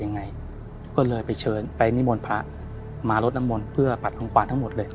ยังไงก็เลยไปเชิญไปนิมนต์พระมารดน้ำมนต์เพื่อผัดของขวานทั้งหมดเลย